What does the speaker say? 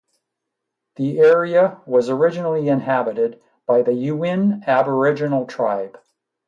The area was originally inhabited by the Yuin Aboriginal tribe.